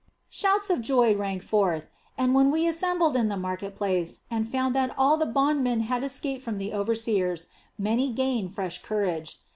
"Shouts of joy rang forth and, when we assembled in the market place and found that all the bondmen had escaped from the overseers, many gained fresh courage.